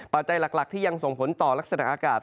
ปัจจัยหลักที่ยังส่งผลต่อลักษณะอากาศ